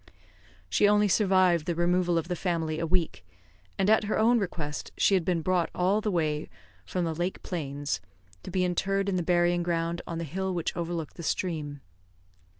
She only survived the removal of the family a week; and at her own request had been brought all the way from the lake plains to be interred in the burying ground on the hill which overlooked the stream.